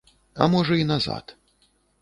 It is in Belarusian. А можа, і назад.